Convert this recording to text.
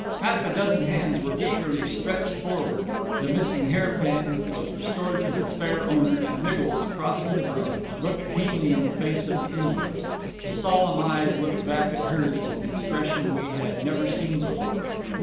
Half a dozen hands were eagerly stretched forward; the missing hairpin was restored to its fair owner; and Miggles, crossing the room, looked keenly in the face of the invalid. The solemn eyes looked back at hers with an expression we had never seen before.